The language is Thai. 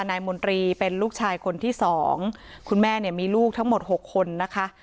นายมนตรีเป็นลูกชายคนที่สองคุณแม่เนี่ยมีลูกทั้งหมดหกคนนะคะ